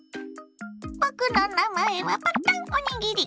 僕の名前はパッタンおにぎり。